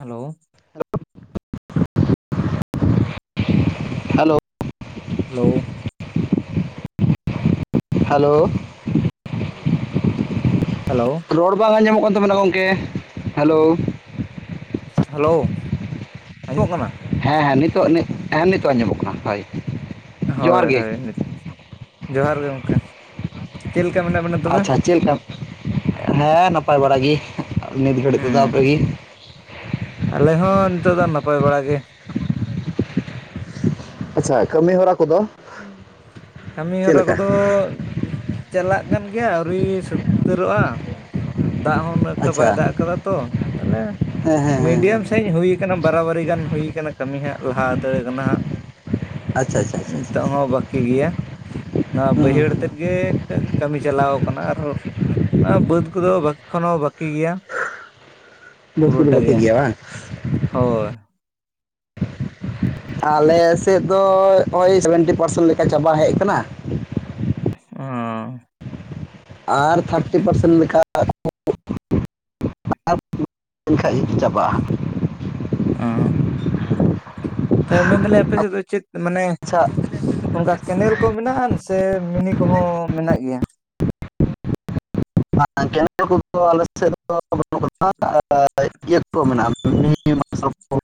Hello. Hello. Hello. Hello. Hello. ᱨᱚᱲ ᱵᱟᱝ ᱟᱸᱡᱚᱢᱚᱜ ᱠᱟᱱ ᱛᱟᱵᱮᱱᱟ ᱜᱚᱢᱠᱮ, ᱦᱮᱞᱳ᱾ ᱦᱮᱞᱳ ᱟᱡᱚᱢᱚᱜ ᱠᱟᱱᱟ? ᱦᱮᱸ ᱦᱮᱸ ᱱᱤᱛᱚᱜ ᱦᱮᱸ ᱱᱤᱛᱚᱜ ᱟᱸᱡᱚᱢᱚᱜ ᱠᱟᱱᱟ ᱦᱳᱭ᱾ ᱡᱚᱦᱟᱨ ᱦᱳᱭ ᱜᱮ ᱦᱳᱭ ᱡᱚᱦᱟᱨ ᱜᱮ ᱜᱚᱢᱠᱮ ᱪᱮᱫ ᱞᱮᱠᱟ ᱢᱮᱱᱟᱜ ᱵᱮᱱᱟ? ᱛᱚᱵᱮ ᱟᱪᱪᱷᱟ ᱪᱮᱫ ᱞᱮᱠᱟ ᱦᱮᱸ ᱱᱟᱯᱟᱭ ᱵᱟᱲᱟ ᱜᱮ ᱱᱤᱛ ᱜᱷᱟᱹᱲᱤᱡ ᱛᱮᱫᱚ ᱦᱩᱸ ᱟᱯᱮ ᱜᱮ? ᱟᱞᱮ ᱦᱚᱸ ᱱᱤᱛᱚᱜ ᱫᱚ ᱱᱟᱯᱟᱭ ᱵᱟᱲᱟ ᱜᱮ᱾ ᱟᱪᱪᱷᱟ ᱠᱟᱹᱢᱤᱦᱚᱨᱟ ᱠᱚᱫᱚ ᱠᱟᱢᱤ ᱪᱮᱫ ᱦᱚᱨᱟ ᱞᱮᱠᱟ ᱠᱚᱫᱚ ᱪᱟᱞᱟᱜ ᱠᱟᱱ ᱜᱮᱭᱟ ᱟᱹᱣᱨᱤ ᱥᱟᱹᱛ ᱩᱛᱟᱹᱨᱚᱜᱼᱟ ᱫᱟᱜ ᱦᱚᱸ ᱩᱱᱟᱹᱜ ᱮᱠᱴᱟ ᱟᱪᱪᱷᱟ ᱵᱟᱭ ᱫᱟᱜ ᱟᱠᱟᱫᱟ ᱛᱚ ᱛᱟᱦᱞᱮ ᱦᱮᱸ ᱦᱮᱸ ᱦᱮᱸ ᱢᱤᱰᱤᱭᱟᱢ ᱥᱮᱡ ᱦᱩᱭ ᱟᱠᱟᱱᱟ ᱵᱟᱨᱟᱵᱟᱨᱤ ᱜᱟᱱ ᱦᱩᱭ ᱠᱟᱱᱟ ᱠᱟᱹᱢᱤ ᱦᱟᱸᱜ ᱞᱟᱦᱟ ᱦᱟᱛᱟᱹᱲ ᱠᱟᱱᱟ ᱦᱟᱸᱜ᱾ ᱟᱪᱪᱷᱟ ᱟᱪᱪᱷᱟ ᱟᱪᱪᱷᱟ ᱱᱤᱛᱚᱜ ᱦᱚᱸ ᱵᱟᱠᱤ ᱜᱮᱭᱟ᱾ ᱱᱚᱣᱟ ᱦᱩᱸ ᱦᱩᱸ ᱵᱟᱹᱭᱦᱟᱹᱲ ᱛᱮᱫ ᱜᱮ ᱠᱟᱹᱢᱤ ᱪᱟᱞᱟᱣ ᱠᱟᱱᱟ ᱟᱨ ᱱᱚᱣᱟ ᱵᱟᱹᱫᱽ ᱠᱚᱫᱚ ᱵᱟᱹᱠᱤ ᱠᱷᱚᱱ ᱦᱚᱸ ᱵᱟᱹᱠᱤ ᱜᱮᱭᱟ᱾ ᱦᱩᱸ ᱯᱩᱨᱳ ᱵᱟᱹᱠᱤ ᱫᱚ ᱴᱟ ᱵᱟᱹᱠᱤ ᱜᱮ ᱜᱮᱭᱟ ᱵᱟᱝ ᱦᱳᱭ᱾ ᱟᱞᱮ ᱥᱮᱫ ᱫᱚ ᱦᱚᱜᱼᱚᱭ ᱥᱮᱵᱷᱮᱱᱴᱤ ᱯᱟᱨᱥᱮᱱ ᱞᱮᱠᱟ ᱪᱟᱵᱟ ᱦᱮᱡ ᱠᱟᱱᱟ᱾ ᱚᱸ ᱟᱨ ᱛᱷᱟᱨᱴᱤ ᱯᱟᱨᱥᱮᱱᱴ ᱞᱮᱠᱟ [unintelligible] ᱞᱮᱱᱠᱷᱟᱱ ᱜᱮ ᱪᱟᱵᱟᱜᱼᱟ᱾ ᱚ ᱛᱟ ᱢᱮᱱᱫᱟᱞᱤᱧ ᱟᱯᱮ ᱥᱮᱫ ᱫᱚ ᱪᱮᱫ ᱢᱟᱱᱮ ᱟᱪᱪᱷᱟ ᱚᱝᱠᱟ ᱠᱮᱱᱮᱞ ᱠᱚ ᱢᱮᱱᱟᱜ ᱟᱱ ᱥᱮ ᱢᱤᱱᱤ ᱠᱚᱦᱚᱸ ᱢᱮᱱᱟᱜ ᱜᱮᱭᱟ᱾ ᱵᱟᱝ ᱠᱮᱱᱮᱞ ᱠᱚᱫᱚ ᱟᱞᱮ ᱥᱮᱫ ᱫᱚ ᱵᱟᱹᱱᱩᱜ ᱠᱟ ᱤᱭᱟᱹ [unintelligible] ᱠᱚ ᱢᱮᱱᱟᱜᱼᱟ᱾ ᱢᱤᱱᱤ ᱢᱟᱨᱥᱟᱞ ᱠᱚ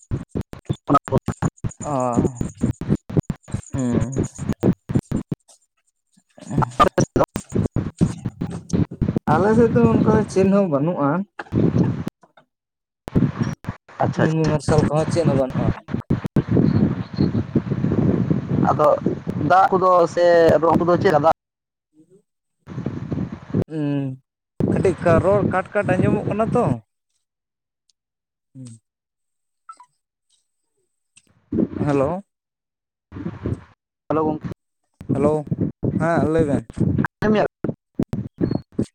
ᱚᱱᱟ ᱠᱚ ᱚ ᱦᱩᱸ ᱫᱚ [unintelligible] ᱟᱞᱮ ᱥᱮᱫ ᱫᱚ ᱚᱱᱠᱟ ᱫᱚ ᱪᱮᱫ ᱦᱚᱸ ᱵᱟᱹᱱᱩᱜᱼᱟ᱾ [inaudible] ᱟᱪᱪᱷᱟ ᱢᱤᱱᱤ ᱟᱪᱪᱷᱟ ᱢᱟᱨᱥᱟᱞ ᱠᱚᱦᱚᱸ ᱪᱮᱫ ᱵᱟᱹᱱᱩᱜᱼᱟ᱾ ᱟᱫᱚ ᱫᱟᱜ ᱠᱚᱫᱚ ᱥᱮ [unintelligible] ᱩᱱᱠᱩ ᱫᱚ ᱪᱮᱫ ᱫᱟᱜ [inaudible] ᱩᱸ ᱠᱟᱹᱴᱤᱡ ᱨᱚᱲ ᱠᱟᱴ ᱠᱟᱴ ᱟᱸᱡᱚᱢᱚᱜ ᱠᱟᱱᱟ ᱛᱚ᱾ ᱦᱩᱸ ᱦᱮᱞᱳ᱾ ᱦᱮᱞᱳ ᱜᱚᱝᱠᱮ᱾ ᱦᱟᱞᱳ ᱦᱮᱸ ᱞᱟᱹᱭ ᱵᱮᱱ? ᱮᱞ [unintelligible]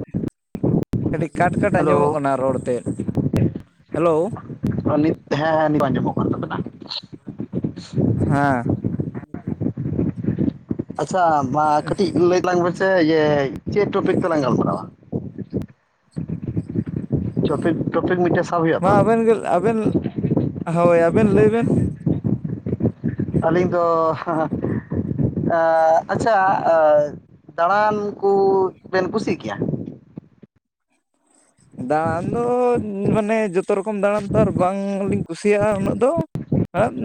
ᱠᱟᱹᱤᱡ ᱠᱟᱴ ᱠᱟᱴ ᱟᱸᱡᱚᱢᱚᱜ ᱠᱟᱱᱟ ᱨᱚᱲ ᱛᱮᱫ ᱦᱮᱞᱳ ᱱᱤᱛ, ᱦᱮᱸ ᱦᱮᱸ ᱱᱤᱛᱚᱜ [inaudible] ᱦᱮᱸ᱾ [unintelligible] ᱟᱪᱪᱷᱟ ᱵᱟ ᱠᱟᱹᱴᱤᱡ ᱞᱟᱹᱭ ᱛᱟᱞᱟᱝ ᱢᱮᱥᱮ ᱤᱭᱟᱹᱻ ᱪᱮᱫ ᱴᱚᱯᱤᱠ ᱛᱮᱞᱟᱝ ᱜᱟᱞᱢᱟᱨᱟᱣᱟ? ᱪᱚᱯᱤᱠ, ᱴᱚᱯᱤᱠ ᱢᱤᱫᱴᱮᱡ ᱥᱟᱵ ᱦᱳᱭᱩᱜᱼᱟ ᱛᱚ᱾ ᱵᱮᱱ ᱜᱮ ᱟᱵᱮᱱ ᱦᱳᱭ ᱟᱵᱮᱱ ᱞᱟᱹᱭᱵᱮᱱ᱾ ᱟᱹᱞᱤᱧ ᱫᱚ ᱟᱻ ᱟᱪᱪᱷᱟ, ᱟ ᱫᱟᱬᱟᱱ ᱠᱩ ᱵᱮᱱ ᱠᱩᱥᱤᱜ ᱜᱮᱭᱟ? ᱫᱟᱬᱟᱱ ᱫᱚ ᱢᱟᱱᱮ ᱡᱚᱛᱚ ᱨᱚᱠᱚᱢ ᱫᱟᱬᱟᱱ ᱛᱚ ᱟᱨ ᱵᱟᱝᱞᱤᱧ ᱠᱩᱥᱤᱭᱟᱜᱼᱟ᱾ ᱩᱱᱟᱹᱜ ᱫᱚ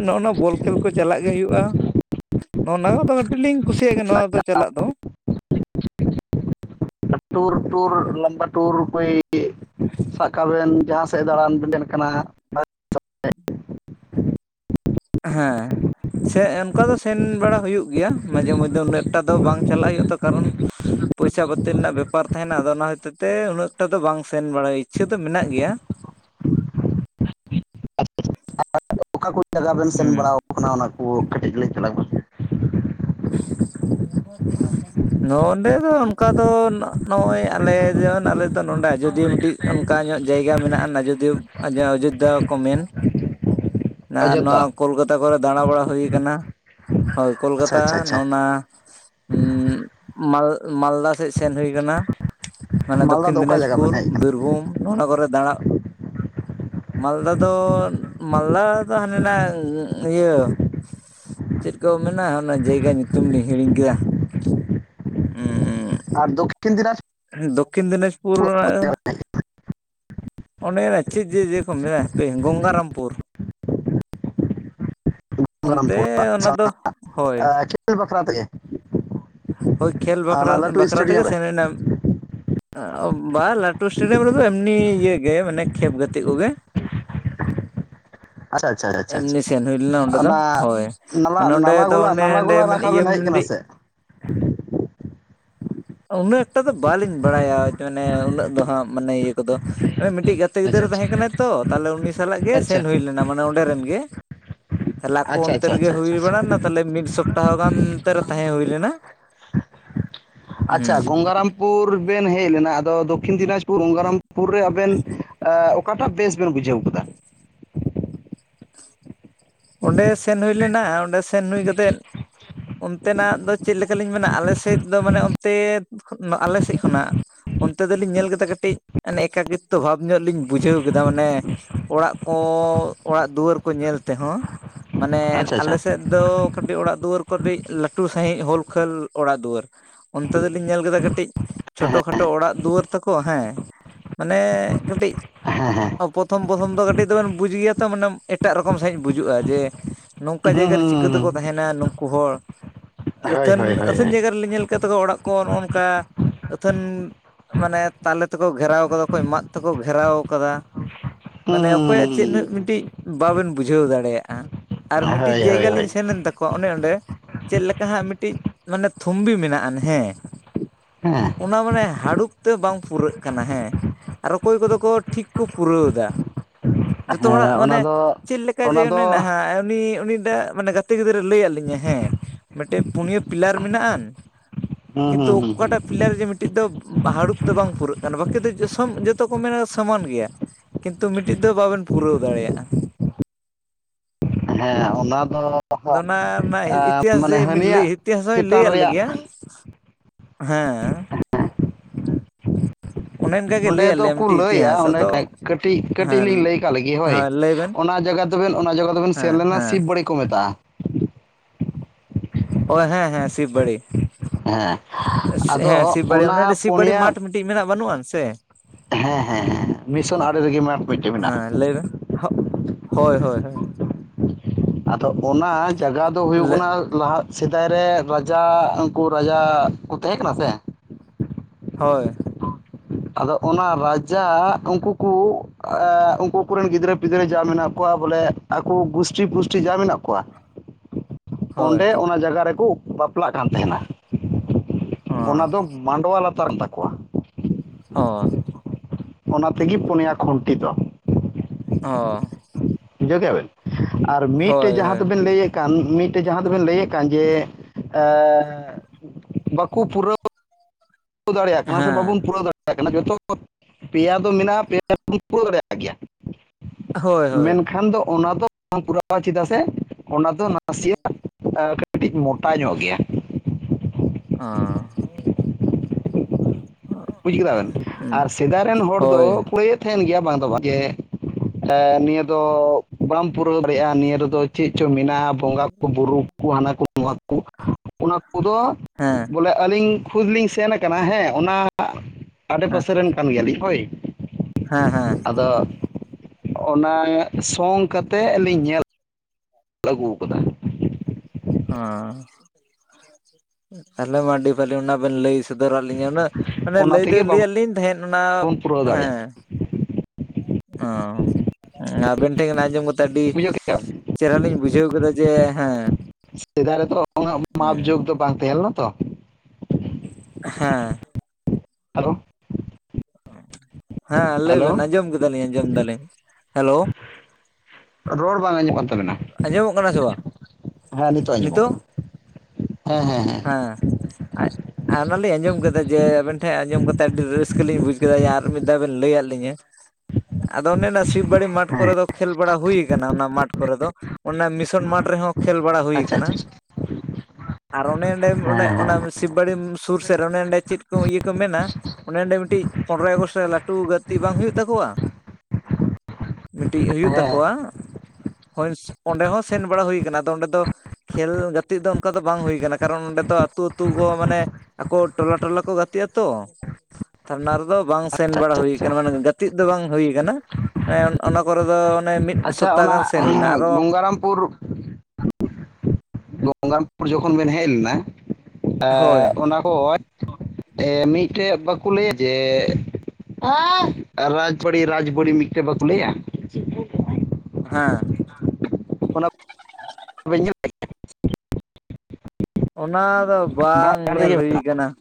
ᱱᱚᱜᱼ ᱱᱚᱣᱟ ᱵᱚᱞ ᱠᱷᱮᱞ ᱠᱚ ᱪᱟᱞᱟᱜ ᱜᱮ ᱦᱩᱭᱩᱜᱼᱟ᱾ᱱᱚᱜ ᱱᱟ ᱠᱚᱫᱚ ᱠᱟᱴᱤᱡ ᱞᱤᱧ ᱠᱩᱥᱤᱭᱟᱜ ᱠᱟᱱ ᱱᱚᱣᱟ ᱫᱚ ᱪᱟᱞᱟᱜ ᱫᱚ᱾ ᱴᱩᱨ ᱴᱩᱨ ᱞᱚᱢᱵᱟ ᱴᱩᱨ [unintelligible] ᱥᱟᱵ ᱠᱟᱜ ᱵᱮᱱ ᱡᱟᱦᱟᱸ ᱥᱮᱫ ᱫᱟᱬᱟᱱ ᱵᱮᱱ ᱥᱟᱱ ᱠᱟᱱᱟ ᱦᱮᱸ᱾ ᱥᱮ ᱚᱱᱠᱟ ᱫᱚ ᱥᱮᱱ ᱵᱟᱲᱟ ᱦᱩᱭᱩᱜ ᱜᱮᱭᱟ, ᱢᱟᱡᱷᱮ ᱢᱟᱚᱫᱽᱷᱮ ᱩᱱᱟᱹᱜᱴᱟ ᱫᱚ ᱵᱟᱝ ᱪᱟᱞᱟᱜ ᱦᱩᱭᱩᱜᱼᱟ᱾ ᱛᱚ ᱠᱟᱨᱚᱱ ᱯᱚᱭᱥᱟ ᱯᱟᱹᱛᱤ ᱨᱮᱱᱟᱜ ᱵᱮᱯᱟᱨ ᱛᱟᱦᱮᱸᱱᱟ ᱟᱫᱚ ᱚᱱᱟ ᱦᱚᱛᱮᱡ ᱛᱮ ᱩᱱᱟᱹᱜ ᱴᱟᱜ ᱫᱚ ᱵᱟᱝ ᱥᱮᱱ ᱵᱟᱲᱟᱭ, ᱤᱪᱪᱷᱟᱹ ᱫᱚ ᱢᱮᱱᱟᱜ ᱜᱮᱭᱟ ᱚᱠᱟ ᱠᱩ ᱡᱟᱭᱜᱟ ᱵᱮᱱ ᱥᱮᱱ ᱦᱩᱸ ᱵᱟᱲᱟᱣ ᱠᱟᱱᱟ ᱚᱱᱟ ᱠᱩ ᱠᱟᱹᱴᱤᱡ ᱞᱮᱭ ᱛᱟᱞᱟᱝ ᱢᱮ? ᱱᱚᱰᱮ ᱫᱚ ᱚᱱᱠᱟ ᱫᱚ ᱱᱟᱜ ᱱᱚᱜᱼᱚᱭ ᱟᱞᱮ ᱡᱮᱢᱚᱱ ᱟᱞᱮ ᱫᱚ ᱱᱚᱰᱮ ᱟᱡᱚᱫᱤᱭᱟᱹ ᱢᱤᱫᱴᱤᱡ ᱚᱱᱠᱟ ᱧᱚᱜ ᱡᱟᱭᱜᱟ ᱢᱮᱱᱟᱜ ᱟᱱ ᱟᱡᱚᱫᱤᱭᱟᱹ ᱟᱨ ᱡᱟᱦᱟᱸ ᱚᱡᱳᱫᱽᱫᱷᱟ ᱠᱚ ᱢᱮᱱ ᱱᱟ ᱚᱡᱳᱫᱽᱫᱷᱟ᱾ ᱱᱚᱣᱟ ᱠᱳᱞᱠᱟᱛᱟ ᱠᱚᱨᱮ ᱫᱟᱬᱟ ᱵᱟᱲᱟ ᱦᱩᱭ ᱠᱟᱱᱟ, ᱦᱳᱭ ᱟᱪᱪᱷᱟ ᱠᱳᱞᱠᱟᱛᱟ ᱟᱪᱪᱷᱟ ᱟᱪᱪᱷᱟ ᱱᱚᱜᱼᱱᱟ ᱦᱩᱸᱻ ᱢᱟᱞ ᱢᱟᱞᱫᱟ ᱥᱮᱫ ᱥᱮᱱ ᱦᱩᱭ ᱠᱟᱱᱟ, ᱢᱟᱱᱮ ᱢᱟᱞᱫᱟ ᱫᱚᱠᱠᱷᱤᱱ ᱫᱚ ᱚᱠᱟ ᱡᱟᱭᱜᱟ ᱫᱤᱱᱟᱡᱽᱯᱩᱨ, ᱵᱮᱱ ᱦᱮᱡ ᱟᱠᱟᱱᱟ ᱵᱤᱨᱵᱷᱩᱢ, ᱱᱚᱜ-ᱱᱟ ᱠᱚᱨᱮ ᱫᱟᱬᱟ ᱢᱟᱞᱫᱟ ᱫᱚᱻ ᱢᱟᱞᱫᱟ ᱫᱚ ᱦᱟᱱᱮ ᱱᱟᱜ ᱤᱭᱟᱹ ᱪᱮᱫ ᱠᱚ ᱢᱮᱱᱟ ᱚᱱᱟ ᱡᱟᱭᱜᱟ ᱧᱩᱛᱩᱢ ᱞᱤᱧ ᱦᱤᱲᱤᱧ ᱠᱮᱫᱟ, ᱩᱸᱻ ᱟᱨ ᱫᱩᱠᱷ ᱠᱷᱤᱱ ᱫᱤᱱᱟᱡ ᱫᱚᱠᱠᱷᱤᱱ ᱫᱤᱱᱟᱡᱽᱯᱩᱨ ᱦᱮᱡ ᱟᱠᱟᱱᱟ? ᱚᱱᱮ ᱚᱱᱟ ᱪᱮᱫ ᱡᱮ ᱡᱮ ᱠᱚ ᱢᱮᱱᱟ ᱦᱟᱯᱮ ᱜᱚᱝᱜᱟᱨᱟᱢᱯᱩᱨ, ᱚᱱᱛᱮ ᱜᱚᱝᱜᱟᱨᱟᱢᱯᱩᱨ ᱚᱱᱟ ᱟᱪᱪᱷᱟ ᱫᱚ ᱦᱳᱭ [inaudible] ᱟᱨ ᱪᱮᱫ ᱵᱟᱠᱷᱨᱟ ᱛᱮ? ᱦᱳᱭ ᱠᱷᱮᱞ ᱵᱟᱠᱷᱨᱟ ᱵᱟᱠᱷᱨᱟ ᱛᱮᱜᱮ ᱥᱮᱱ ᱮᱱᱟᱢ ᱵᱟ ᱞᱟᱹᱴᱩ ᱥᱴᱮᱰᱤᱭᱟᱢ ᱨᱮᱫᱚ ᱮᱢᱱᱤ ᱤᱭᱟᱹ ᱜᱮ ᱢᱟᱱᱮ ᱠᱷᱮᱯ ᱜᱟᱛᱮᱜ ᱠᱚᱜᱮ᱾ ᱟᱪᱪᱷᱟ ᱟᱪᱪᱷᱟ [unintelligible] ᱟᱪᱪᱷᱟ ᱟᱪᱪᱷᱟ ᱮᱢᱱᱤ ᱥᱮᱱ ᱦᱩᱭ ᱞᱮᱱᱟ ᱚᱸᱰᱮ ᱫᱚ ᱚᱱᱟ ᱦᱳᱭ, ᱢᱟᱱᱮ ᱚᱸᱰᱮ ᱫᱚ ᱚᱱᱮ ᱚᱸᱰᱮ ᱠᱷᱟ ᱤᱭᱟᱹ ᱵᱮᱱ ᱦᱮᱡ ᱠᱟᱱᱟ ᱥᱮ [unintelligible] ᱩᱱᱟᱹᱜ ᱮᱠᱴᱟ ᱫᱚ ᱵᱟᱹᱞᱤᱧ ᱵᱟᱲᱟᱭᱟ ᱢᱟᱱᱮ ᱩᱱᱟᱹᱜ ᱫᱚ ᱦᱟᱸᱜ ᱢᱟᱱᱮ ᱤᱭᱟᱹ ᱠᱚᱫᱚ᱾ ᱚᱱᱮ ᱢᱤᱫᱴᱤᱡ ᱜᱟᱛᱮ ᱟᱪᱪᱷᱟ ᱜᱤᱫᱟᱹᱨᱮ ᱟᱪᱪᱷᱟ ᱛᱟᱦᱮᱸ ᱠᱟᱱᱟᱭ ᱛᱚ ᱛᱟᱦᱚᱞᱮ ᱩᱱᱤ ᱥᱟᱞᱟᱜ ᱜᱮ ᱟᱪᱪᱷᱟ᱾ ᱥᱮᱱ ᱦᱩᱭ ᱞᱮᱱᱟ ᱢᱟᱱᱮ ᱚᱸᱰᱮ ᱨᱮᱱ ᱜᱮ᱾ ᱛᱟᱦᱞᱮ ᱟᱠᱚ ᱟᱪᱪᱷᱟ ᱚᱱᱛᱮ ᱟᱪᱪᱷᱟ ᱨᱮᱜᱮ ᱟᱪᱪᱷᱟ ᱦᱩᱭ ᱟᱪᱪᱷᱟ᱾ ᱵᱟᱲᱟ ᱞᱮᱱᱟ ᱛᱟᱦᱞᱮ ᱢᱤᱫ ᱥᱚᱯᱛᱟᱦᱚ ᱜᱟᱱ ᱚᱱᱛᱮ ᱨᱮ ᱛᱟᱦᱮᱸ ᱦᱩᱭ ᱞᱮᱱᱟ᱾ ᱦᱩᱸ ᱟᱪᱪᱷᱟ ᱜᱚᱝᱜᱟᱨᱟᱢᱯᱩᱨ ᱵᱮᱱ ᱦᱮᱡ ᱞᱮᱱᱟ ᱟᱫᱚ ᱫᱚᱠᱠᱷᱤᱱ ᱫᱤᱱᱟᱡᱽᱯᱩᱨ, ᱜᱚᱝᱜᱟᱨᱟᱢ ᱯᱩᱨ ᱨᱮ ᱟᱵᱮᱱ ᱮᱸ ᱚᱠᱟᱴᱟᱜ ᱵᱮᱥ ᱵᱮᱱ ᱵᱩᱡᱷᱟᱹᱣ ᱠᱟᱫᱟ? ᱚᱸᱰᱮ ᱥᱮᱱ ᱦᱩᱭ ᱞᱮᱱᱟ ᱚᱸᱰᱮ ᱥᱮᱱ ᱦᱩᱭ ᱠᱟᱛᱮᱫ ᱚᱱᱛᱮᱱᱟᱜ ᱫᱚ ᱪᱮᱫ ᱞᱮᱠᱟᱞᱤᱧ ᱢᱮᱱᱟ ᱟᱞᱮ ᱥᱮᱫ ᱫᱚ ᱢᱟᱱᱮ ᱚᱱᱛᱮ ᱟᱞᱮ ᱥᱮᱫ ᱠᱷᱚᱱᱟᱜ ᱚᱱᱛᱮ ᱫᱚᱞᱤᱧ ᱧᱮᱞ ᱠᱮᱫᱟ ᱠᱟᱹᱴᱤᱡ, ᱢᱟᱱᱮ ᱮᱠᱟᱠᱤᱛᱛᱚ ᱵᱷᱟᱵᱽ ᱧᱚᱜ ᱞᱤᱧ ᱵᱩᱡᱷᱟᱹᱣ ᱠᱮᱫᱟ ᱢᱟᱱᱮ ᱚᱲᱟᱜ ᱠᱚ ᱚᱲᱟᱜ ᱫᱩᱣᱟᱹᱨ ᱠᱚ ᱧᱮᱞ ᱛᱮᱦᱚᱸ ᱢᱟᱱᱮ ᱟᱪᱪᱷᱟ ᱟᱪᱪᱷᱟ ᱟᱞᱮ ᱥᱮᱫ ᱫᱚ ᱠᱟᱹᱴᱤᱡ ᱚᱲᱟᱜ ᱫᱩᱣᱟᱹᱨ ᱠᱟᱹᱴᱤᱡ ᱞᱟᱹᱴᱩ ᱥᱟᱹᱦᱤᱡ ᱦᱳᱞ ᱠᱷᱟᱹᱞ ᱚᱲᱟᱜ ᱫᱩᱣᱟᱹᱨ, ᱚᱱᱛᱮ ᱫᱚᱞᱤᱧ ᱧᱮᱞ ᱠᱮᱫᱟ ᱠᱟᱹᱴᱤᱡ ᱪᱷᱳᱴᱳ ᱠᱷᱟᱴᱳ ᱚᱲᱟᱜ ᱫᱩᱣᱟᱹᱨ ᱛᱟᱠᱚ ᱦᱮᱸ, ᱢᱟᱱᱮ ᱠᱟᱹᱴᱤᱡ ᱦᱮᱸ ᱦᱮᱸ ᱯᱨᱚᱛᱷᱚᱢ ᱯᱨᱚᱛᱷᱚᱢ ᱫᱚ ᱠᱟᱹᱴᱤᱡ ᱫᱚᱵᱮᱱ ᱵᱩᱡ ᱜᱮᱭᱟ ᱛᱚ ᱢᱟᱱᱮ ᱮᱴᱟᱜ ᱨᱚᱠᱚᱢ ᱥᱟᱹᱦᱤᱡ ᱵᱩᱡᱩᱜ-ᱟ᱾ ᱡᱮ ᱱᱚᱝᱠᱟ ᱦᱩᱸ ᱡᱟᱭᱜᱟ ᱨᱮ ᱦᱩᱸ ᱪᱤᱠᱟᱹ ᱛᱮᱠᱚ ᱦᱩᱸ ᱛᱟᱦᱮᱸᱱᱟ ᱱᱩᱠᱩ ᱦᱚᱲ ᱦᱳᱭ ᱟᱹᱛᱷᱟᱹᱱ ᱦᱳᱭ ᱦᱳᱭ ᱟᱹᱛᱷᱟᱹᱱ ᱦᱳᱭ ᱡᱟᱭᱜᱟ ᱨᱮᱞᱤᱧ ᱧᱮᱞ ᱠᱮᱫ ᱛᱟᱠᱚ ᱚᱲᱟᱜ ᱠᱚ ᱱᱚᱜᱼᱚ ᱱᱚᱝᱠᱟ ᱟᱹᱛᱷᱟᱹᱱ ᱢᱟᱱᱮ ᱛᱟᱞᱮ ᱛᱮᱠᱚ ᱜᱷᱮᱨᱟᱣ ᱠᱟᱫᱟ ᱚᱠᱚᱭ ᱢᱟᱜ ᱛᱮᱠᱚ ᱜᱷᱮᱨᱟᱣ ᱠᱟᱫᱟ, ᱦᱩᱸ ᱢᱟᱱᱮ ᱚᱠᱚᱭᱟᱜ ᱪᱮᱫ ᱢᱤᱫᱴᱤᱡ ᱵᱟᱵᱮᱱ ᱵᱩᱡᱷᱟᱹᱣ ᱫᱟᱲᱮᱭᱟᱜ-ᱟ ᱟᱨ ᱢᱤᱫᱴᱤᱡ ᱦᱳᱭ ᱦᱳᱭ ᱡᱟᱭᱜᱟ ᱦᱳᱭ ᱞᱤᱧ ᱥᱮᱱᱮᱱ ᱛᱟ ᱠᱚ ᱚᱱᱮ ᱚᱸᱰᱮ ᱪᱮᱫ ᱞᱮᱠᱟ ᱦᱟᱸᱜ ᱢᱤᱫᱴᱤᱡ ᱢᱟᱱᱮ ᱛᱷᱚᱢᱵᱤ ᱢᱮᱱᱟᱜ ᱟᱱ ᱦᱮᱸ, ᱦᱮᱸ ᱚᱱᱟ ᱢᱟᱱᱮ ᱦᱟᱲᱩᱵ ᱛᱮ ᱵᱟᱝ ᱯᱩᱨᱟᱹᱜ ᱠᱟᱱᱟ ᱦᱮᱸ, ᱟᱨ ᱚᱠᱚᱭ ᱠᱚᱫᱚ ᱠᱚ ᱴᱷᱤᱠ ᱠᱚ ᱯᱩᱨᱟᱹᱣ ᱫᱟ, ᱡᱚᱛᱚ ᱦᱮᱸ ᱦᱚᱲᱟᱜ ᱚᱱᱟ ᱢᱟᱱᱮ ᱫᱚ ᱪᱮᱫ ᱞᱮᱠᱟ ᱡᱮ ᱚᱱᱟ ᱚᱱᱮ ᱫᱚ ᱩᱱᱤ ᱩᱱᱤᱴᱟᱜ ᱢᱟᱱᱮ ᱜᱟᱛᱮ ᱜᱤᱫᱽᱨᱟᱹ ᱞᱟᱹᱭᱟᱫ ᱞᱤᱧᱟ ᱦᱮᱸ, ᱢᱤᱫᱴᱮᱱ ᱯᱩᱱᱭᱟᱹ ᱯᱤᱞᱟᱨ ᱢᱮᱱᱟᱜ ᱟᱱ ᱦᱩᱸ ᱦᱩᱸ ᱠᱤᱱᱛᱩ ᱦᱩᱸ ᱦᱩᱸ. ᱚᱠᱟᱴᱟᱜ ᱯᱤᱞᱟᱨ ᱡᱮ ᱢᱤ ᱴᱤᱡ ᱫᱚ ᱦᱟᱹᱲᱩᱵ ᱛᱮ ᱵᱟᱝ ᱯᱩᱨᱟᱹᱜ ᱠᱟᱱᱟ ᱵᱟᱹᱠᱤ ᱫᱚ ᱡᱚᱛᱚ ᱠᱚ ᱢᱮᱱᱟ ᱥᱚᱢᱟᱱ ᱜᱮᱭᱟ᱾ ᱠᱤᱱᱛᱩ ᱢᱤᱫᱴᱤᱡ ᱫᱚ ᱵᱟᱵᱮᱱ ᱯᱩᱨᱟᱣ ᱫᱟᱲᱮᱭᱟᱜᱼᱟ᱾ ᱦᱮᱸ ᱚᱱᱟ ᱫᱚ ᱟᱫᱚ ᱚᱱᱟ ᱨᱮᱱᱟᱜ ᱤᱛᱤᱦᱟᱥ ᱢᱟᱱᱮ ᱡᱮ ᱢᱮ ᱞᱟᱹᱭ ᱦᱟᱹᱱᱤᱭᱟᱜ ᱤᱛᱤᱦᱟᱥ ᱦᱚᱭ ᱪᱮᱛᱟᱱ ᱞᱟᱹᱭᱟᱫ ᱨᱮᱭᱟᱜ ᱞᱮᱜᱮᱭᱟ, ᱦᱮᱸᱻ ᱚᱱᱮ ᱚᱱᱠᱟ ᱜᱮ ᱚᱸᱰᱮ ᱞᱟᱹᱭᱟᱫ ᱞᱮᱭᱟ ᱫᱚᱠᱚ ᱢᱤᱫᱴᱤᱡ ᱞᱟᱹᱭᱼᱟ ᱤᱛᱤᱦᱟᱥ ᱚᱸᱰᱮ ᱟᱫᱚ ᱠᱷᱟᱡ ᱠᱟᱹᱴᱤᱡ, ᱠᱟᱹᱴᱤᱡ ᱦᱮᱸ ᱞᱤᱧ ᱞᱟᱹᱭ ᱠᱟᱜ ᱞᱮᱜᱮ ᱦᱳᱭ᱾ ᱦᱮᱸ ᱞᱟᱹᱭ ᱵᱮᱱ ᱚᱱᱟ ᱡᱟᱜᱟ ᱫᱚᱵᱮᱱ, ᱚᱱᱟ ᱡᱟᱜᱟ ᱫᱚᱵᱮᱱ ᱥᱮᱱ ᱦᱮᱸ ᱞᱮᱱᱟ ᱦᱮᱸ ᱥᱤᱯ ᱵᱟᱹᱲᱤ ᱠᱚ ᱢᱮᱛᱟᱜᱼᱟ᱾ ᱚ ᱦᱮᱸ ᱦᱮᱸ ᱥᱤᱵᱽ ᱵᱟᱹᱲᱤ, ᱦᱮᱸ ᱟᱫᱚ ᱦᱮᱸ ᱥᱤᱵᱽ ᱵᱟᱹᱲᱤ, ᱚᱱᱮ ᱚᱱᱟ ᱚᱰᱮ ᱥᱤᱵᱽ ᱵᱟᱹᱲᱤ ᱯᱩᱱᱭᱟ ᱢᱟᱴᱼᱼ [unintelligible] ᱢᱮᱱᱟᱜ ᱵᱟᱹᱱᱩᱜ ᱟᱱ ᱥᱮ᱾ ᱦᱮᱸ, ᱦᱮᱸ, ᱦᱮᱸ ᱢᱤᱥᱚᱱ ᱟᱲᱮ ᱨᱮᱜᱮ [unintelligible] ᱢᱤᱫᱴᱮᱱ ᱢᱮᱱᱟᱜᱼᱟ᱾ ᱦᱮᱸ ᱞᱟᱹᱭ ᱵᱮᱱ᱾ ᱦᱚᱜ ᱦᱳᱭ, ᱦᱳᱭ, ᱦᱳᱭ᱾ ᱟᱫᱚ ᱚᱱᱟ ᱡᱟᱜᱟ ᱫᱚ ᱦᱩᱭᱩᱜ ᱠᱟᱱᱟᱼᱼ ᱞᱟᱦᱟᱜ, ᱥᱮᱫᱟᱭ ᱨᱮ ᱨᱟᱡᱟ ᱩᱱᱠᱩ ᱨᱟᱡᱟ ᱠᱚ ᱛᱟᱦᱮᱸ ᱠᱟᱱᱟ ᱥᱮ᱾ ᱦᱳᱭ ᱟᱫᱚ ᱚᱱᱟ ᱨᱟᱡᱟ ᱩᱱᱠᱩ ᱠᱩ, ᱩᱱᱠᱩ ᱠᱚᱨᱮᱱ ᱜᱤᱫᱽᱨᱟᱹ ᱯᱤᱫᱽᱨᱟᱹ ᱡᱟ ᱢᱮᱱᱟᱜ ᱠᱚᱣᱟ ᱵᱚᱞᱮᱼᱼ ᱟᱠᱩ ᱜᱩᱥᱴᱤ ᱯᱩᱥᱴᱤ ᱡᱟ ᱢᱮᱱᱟᱜ ᱠᱚᱣᱟ᱾ [inaudible] ᱚᱸᱰᱮ ᱚᱱᱟ ᱡᱟᱭᱜᱟ ᱨᱮᱠᱚ ᱵᱟᱯᱞᱟᱜ ᱠᱟᱱ ᱛᱟᱦᱮᱱᱟ᱾ ᱚ ᱚᱱᱟ ᱫᱚᱼᱼ ᱢᱟᱰᱣᱟ ᱞᱟᱛᱟᱨ ᱛᱟᱠᱚᱣᱟ᱾ ᱚ ᱚᱱᱟ ᱛᱮᱜᱮ ᱯᱩᱱᱭᱟ ᱠᱷᱩᱱᱴᱤ ᱫᱚ᱾ ᱚ ᱵᱩᱡᱷᱟᱹᱣ ᱠᱮᱜᱟ ᱵᱮᱱ, ᱟᱨ ᱢᱤᱫᱴᱮᱡ ᱦᱳᱭ ᱡᱟᱦᱟᱸ ᱦᱳᱭ ᱫᱚᱵᱮᱱ ᱞᱟᱹᱭᱮᱫᱼᱼ ᱠᱟᱱ ᱾ ᱢᱤᱫᱴᱮᱡ ᱡᱟᱦᱟᱸ ᱫᱚᱵᱮᱱ ᱞᱟᱹᱭᱮᱫ ᱠᱟᱱ ᱡᱮ, ᱵᱟᱠᱚ ᱯᱩᱨᱟᱹᱣ ᱠᱟᱱᱼᱼ ᱯᱩᱨᱟᱹᱣ ᱫᱟᱲᱮᱭᱟᱜ ᱠᱟᱱᱟ ᱥᱮ ᱦᱮᱸ ᱵᱟᱵᱚᱱ ᱯᱩᱨᱟᱹᱣ ᱫᱟᱲᱮᱭᱟᱜ ᱠᱟᱱᱟ᱾ ᱡᱚᱛᱚ ᱯᱮᱭᱟ ᱫᱚ ᱢᱮᱱᱟᱜᱼᱟ ᱯᱮᱭᱟ ᱵᱚᱱ ᱯᱩᱨᱟᱹᱣ ᱫᱟᱲᱮᱭᱟᱜ ᱠᱟᱱᱟ᱾ ᱦᱳᱭ [unintelligible] ᱦᱳᱭ ᱢᱮᱱᱠᱷᱟᱱ ᱫᱚ ᱚᱱᱟ ᱫᱚᱼᱼ ᱵᱟᱝ ᱯᱩᱨᱟᱹᱣᱟ ᱪᱮᱫᱟᱜ ᱥᱮ, ᱚᱱᱟ ᱫᱚ ᱱᱟᱥᱮᱭᱟᱜ ᱠᱟᱹᱴᱤᱡ ᱢᱚᱴᱟ ᱧᱚᱜ ᱜᱮᱭᱟ᱾ ᱚᱸ ᱵᱩᱡᱽ ᱠᱮᱫᱟ ᱵᱮᱱ, ᱟᱨ ᱥᱮᱫᱟᱭ ᱨᱮᱱ ᱦᱚᱲ ᱦᱳᱭ ᱫᱚ ᱯᱳᱭᱮᱫ [unintelligible] ᱛᱟᱦᱮᱱ ᱜᱮᱭᱟ ᱵᱟᱝ ᱫᱚ ᱵᱟᱝ [unintelligible] ᱱᱤᱭᱟᱹ ᱫᱚ ᱵᱟᱢ ᱯᱩᱨᱟᱹᱣ ᱠᱮᱜᱼᱟ ᱾ ᱱᱤᱭᱟᱹ ᱨᱮᱫᱚ ᱪᱮᱫ ᱪᱚᱝ ᱢᱮᱱᱟᱜᱼᱟ᱾ ᱵᱚᱸᱜᱟ ᱠᱚ, ᱵᱩᱨᱩ ᱠᱚ ᱦᱟᱱᱟ ᱠᱚ, ᱱᱚᱣᱟ ᱠᱚ ᱚᱱᱟ ᱠᱚᱫᱚ ᱦᱮᱸ ᱵᱚᱞᱮ ᱟᱹᱞᱤᱧᱼᱼ ᱠᱷᱩᱫᱽ ᱞᱤᱧ ᱥᱮᱱ ᱠᱟᱱᱟ ᱦᱮᱸ, ᱚᱱᱟ ᱟᱰᱮ ᱦᱮᱸ ᱯᱟᱥᱮ ᱨᱮᱱ ᱠᱟᱱ ᱜᱮᱭᱟᱞᱤᱧ ᱦᱳᱭ᱾ ᱦᱮᱸ, ᱦᱮᱸ᱾ ᱟᱫᱚ ᱚᱱᱟ ᱥᱚᱝ ᱠᱟᱛᱮᱫ ᱞᱤᱧ ᱧᱮᱞᱼᱼ ᱟᱹᱜᱩ ᱟᱠᱟᱫᱟ᱾ ᱦᱮᱸ, ᱟᱞᱮ ᱢᱟ [unintelligible] ᱚᱱᱟ ᱵᱮᱱ ᱞᱟᱹᱭ ᱥᱚᱫᱚᱨ ᱞᱤᱧᱟᱹ ᱩᱱᱟᱹ, ᱢᱟᱱᱮ ᱚᱱᱟ ᱞᱟᱹᱭ ᱫᱚ ᱛᱮᱜᱮ ᱞᱟᱹᱭᱟ ᱞᱤᱧ ᱛᱟᱦᱮᱸᱫ ᱚᱱᱟ ᱵᱟᱵᱚᱱ ᱯᱩᱨᱟᱹᱣ ᱫᱟᱲᱮᱭᱟᱜ ᱦᱮᱸᱼᱼ ᱚ ᱟᱵᱮᱱ ᱴᱷᱮᱱ ᱟᱸᱡᱚᱢ ᱠᱟᱛᱮ ᱟᱹᱰᱤᱼᱼ ᱵᱩᱡᱷᱟᱹᱣ ᱠᱮᱫᱟᱢ ᱪᱮᱦᱨᱟ ᱞᱤᱧ ᱵᱩᱡᱷᱟᱹᱣ ᱠᱮᱫᱟ ᱡᱮ ᱦᱮᱸᱼᱼ ᱥᱮᱫᱟᱭ ᱨᱮᱛᱚ ᱩᱱᱟᱹᱜ ᱢᱟᱯ ᱡᱳᱠ ᱫᱚ ᱵᱟᱝ ᱛᱟᱦᱮᱸ ᱞᱮᱱᱟ ᱛᱚ᱾ ᱦᱮᱸ᱾ ᱦᱮᱞᱳ ᱦᱮᱸ, ᱞᱟᱹᱭ ᱦᱮᱞᱳ ᱵᱮᱱ ᱟᱸᱡᱚᱢ ᱠᱮᱫᱟᱞᱤᱧ ᱟᱸᱡᱚᱢ ᱫᱟᱞᱤᱧ ᱦᱮᱞᱳ᱾ ᱨᱚᱲ ᱵᱟᱝ ᱟᱸᱡᱚᱢᱚᱜ ᱠᱟᱱ ᱛᱟᱵᱤᱱᱟ᱾ ᱟᱸᱡᱚᱢᱚᱜ ᱠᱟᱱᱟ ᱥᱮ ᱵᱟᱝ, ᱟᱸᱡᱚᱢᱚᱜ ᱱᱤᱛᱚᱜ᱾ ᱦᱮᱸ, ᱦᱮᱸ᱾ ᱦᱮᱸ [unintelligible] ᱟᱨ ᱚᱱᱟᱞᱤᱧ ᱟᱸᱡᱚᱢ ᱠᱮᱫᱟ ᱡᱮ, ᱟᱵᱮᱱ ᱴᱷᱮᱱ ᱟᱸᱡᱚᱢ ᱠᱟᱛᱮ ᱟᱹᱰᱤ ᱨᱟᱹᱥᱠᱟᱹ ᱞᱤᱧ ᱵᱩᱡ ᱠᱮᱫᱟ ᱡᱮ ᱟᱨ ᱢᱤᱫ ᱫᱷᱟᱣ ᱵᱮᱱ ᱞᱟᱹᱭᱟᱫ ᱞᱤᱧᱟᱹ᱾ ᱟᱫᱚ ᱚᱱᱮ ᱚᱱᱟ ᱥᱤᱵᱽ ᱵᱟᱲᱤ ᱢᱟᱴᱷ ᱠᱚᱨᱮ ᱫᱚ ᱠᱷᱮᱞ ᱵᱟᱲᱟ ᱦᱩᱭ ᱟᱠᱟᱱᱟ᱾ ᱚᱱᱟ ᱢᱟᱴᱷ ᱠᱚᱨᱮ ᱫᱚ᱾ ᱚᱱᱟ ᱢᱤᱥᱚᱱ ᱢᱟᱴᱷ ᱨᱮᱦᱚᱸ ᱠᱷᱮᱞ ᱵᱟᱲᱟ ᱦᱮᱸ ᱦᱩᱭ ᱟᱪᱪᱷᱟ ᱟᱠᱟᱱᱟ ᱟᱪᱪᱷᱟ ᱾ ᱟᱨ ᱚᱱᱮ ᱚᱸᱰᱮ ᱚᱱᱮ ᱦᱮᱸ ᱚᱸᱰᱮ ᱥᱤᱵ ᱵᱟᱲᱤ ᱥᱩᱨ ᱥᱮᱨ ᱚᱱᱮ ᱚᱸᱰᱮ ᱪᱮᱫ ᱠᱚ ᱤᱭᱟᱹ ᱠᱚ ᱢᱮᱱᱟ ᱚᱱᱮ ᱚᱸᱰᱮ ᱯᱚᱱᱨᱚᱭ ᱟᱜᱚᱥᱴ ᱨᱮ ᱞᱟᱹᱴᱩ ᱜᱟᱛᱮᱜ ᱵᱟᱝ ᱦᱩᱭᱩᱜ ᱛᱟᱠᱚᱣᱟ᱾ ᱢᱤᱫᱴᱤᱡ ᱦᱮᱸ ᱦᱩᱭᱩᱜ ᱦᱮᱸ ᱛᱟᱠᱚᱣᱟ ᱚᱸᱰᱮ ᱦᱚᱸ ᱥᱮᱱ ᱵᱟᱲᱟ ᱦᱩᱭ ᱠᱟᱱᱟ ᱟᱫᱚ ᱚᱸᱰᱮ ᱫᱚ ᱠᱷᱮᱞ ᱜᱟᱛᱮ ᱫᱚ ᱚᱱᱠᱟ ᱫᱚ ᱵᱟᱝ ᱦᱩᱭ ᱠᱟᱱᱟ ᱠᱟᱨᱚᱱ ᱚᱸᱰᱮ ᱫᱚ ᱟᱹᱛᱩ ᱟᱹᱛᱩ ᱠᱚ ᱢᱟᱱᱮ᱾ ᱟᱠᱚ ᱴᱚᱞᱟ ᱴᱚᱞᱟ ᱠᱚ ᱜᱟᱛᱮᱜ ᱟᱛᱚ ᱚᱱᱟ ᱨᱮᱫᱚ ᱵᱟᱝ ᱥᱮᱱ ᱟᱪᱪᱷᱟ ᱵᱟᱲᱟ ᱦᱩᱭ ᱟᱪᱪᱷᱟ ᱟᱪᱪᱷᱟ ᱟᱠᱟᱱᱟ ᱢᱟᱱᱮ ᱜᱟᱛᱮᱜ ᱫᱚ ᱵᱟᱝ ᱦᱩᱭ ᱟᱠᱟᱱᱟ ᱚᱱᱟ ᱠᱚᱨᱮ ᱫᱚ ᱚᱱᱮ ᱢᱤᱫ ᱟᱪᱪᱷᱟ ᱥᱚᱯᱛᱟ ᱜᱟᱱ ᱥᱮᱱ ᱦᱩᱭᱱᱟ ᱟᱨᱚ [inaudible] ᱜᱚᱝᱜᱟᱨᱟᱢᱯᱩᱨ [inaudible] ᱡᱚᱠᱷᱚᱱ ᱵᱮᱱ ᱦᱮᱡ ᱞᱮᱱᱟ ᱟ ᱦᱳᱭ ᱚᱱᱟ ᱠᱚ ᱢᱤᱫᱴᱮᱡ ᱵᱟᱠᱚ ᱞᱟᱹᱭᱟ ᱡᱮ ᱟ ᱨᱟᱡᱽᱵᱟᱹᱲᱤ ᱨᱟᱡᱽᱵᱟᱲᱤ ᱢᱤᱫᱴᱮᱡ ᱵᱟᱠᱚ ᱞᱟᱹᱭᱟ᱾ [inaudible] ᱦᱮᱸ ᱚᱱᱟ [inaudible] ᱚᱱᱟ ᱫᱚ ᱵᱟᱝ ᱰᱟᱦᱟᱨ ᱧᱮᱞ ᱨᱮᱜᱮ ᱦᱩᱭ ᱢᱮᱱᱟᱜᱼᱟ ᱟᱠᱟᱱᱟ ᱾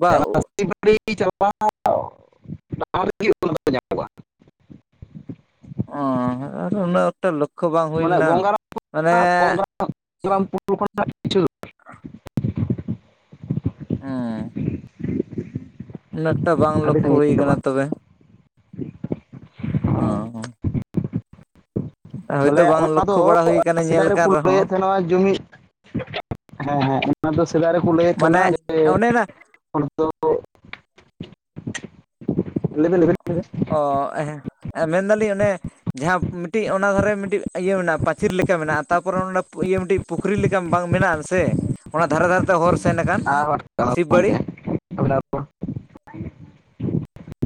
ᱵᱟ [inaudible] ᱚ ᱟᱨ ᱩᱱᱟᱹᱜ ᱮᱠᱴᱟ ᱞᱚᱠᱠᱷᱚ ᱵᱟᱝ ᱦᱩᱭ ᱢᱟᱱᱮ ᱞᱮᱱᱟ ᱜᱚᱝᱜᱟᱨᱟᱢ ᱢᱟᱱᱮ [inaudible] ᱦᱩᱸ ᱩᱱᱟᱹᱜ ᱮᱠᱴᱟ ᱵᱟᱝ ᱟᱹᱰᱤ ᱞᱚᱠᱠᱷᱚ ᱦᱩᱭ ᱥᱟᱺᱜᱤᱧ ᱫᱚ ᱟᱠᱟᱱᱟ ᱵᱟᱝ ᱛᱚᱵᱮ ᱚ᱾ [inaudible] ᱦᱳᱭᱛᱳ ᱵᱚᱞᱮ ᱵᱟᱝ ᱚᱱᱟ ᱫᱚ ᱞᱚᱠᱠᱷᱚ ᱵᱟᱲᱟ ᱦᱩᱭ ᱠᱟᱱᱟ ᱧᱮᱞ ᱥᱮᱫᱟᱭ ᱨᱮᱠᱚ ᱠᱟᱱ ᱨᱮᱦᱚᱸ ᱞᱟᱹᱭ‌ᱮᱫ ᱛᱟᱦᱮᱱᱟ ᱡᱩᱢᱤᱫ ᱦᱮᱸ ᱦᱮᱸ ᱚᱱᱟ ᱫᱚ ᱥᱮᱫᱟᱭ ᱨᱮᱠᱚ ᱞᱟᱹᱭᱮᱫ ᱛᱟᱦᱮᱱᱟ ᱢᱟᱱᱮ ᱡᱮ ᱚᱱᱮᱱᱟ [inaudible] ᱫᱚ [inaudible] ᱞᱟᱹᱭᱵᱮᱱ ᱞᱟᱹᱭᱵᱮᱱ ᱚ ᱢᱮᱱᱫᱟᱞᱤᱧ ᱚᱱᱮ ᱡᱟᱦᱟᱸ ᱢᱤᱫᱴᱤᱡ ᱚᱱᱟ ᱫᱷᱟᱨᱮ ᱢᱤᱫᱴᱤᱡ ᱤᱭᱟᱹ ᱢᱮᱱᱟᱜᱼᱟ ᱯᱟᱹᱪᱤᱨ ᱞᱮᱠᱟ ᱢᱮᱱᱟᱜᱼᱟ ᱛᱟᱨᱯᱚᱨᱮ ᱚᱱᱟ ᱤᱭᱟᱹ ᱢᱤᱫᱴᱤᱡ ᱯᱩᱠᱷᱨᱤ ᱞᱮᱠᱟ ᱵᱟᱝ ᱢᱮᱱᱟᱜ ᱟᱱᱥᱮ ᱚᱱᱟ ᱫᱷᱟᱨᱮ ᱫᱷᱟᱨᱮᱛᱮ ᱦᱚᱨ ᱥᱮᱱ ᱟᱠᱟᱱ ᱟᱨ [inaudible] ᱥᱤᱵ ᱵᱟᱲᱤ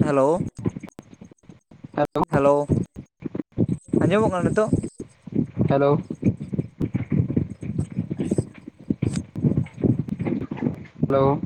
ᱦᱮᱞᱳ [inaudible] ᱦᱮᱞᱳ ᱦᱮᱞᱳ ᱟᱸᱡᱚᱢᱚᱜ ᱠᱟᱱᱟ ᱱᱤᱛᱚᱜ? Hello [unintelligible] [inaudible] hello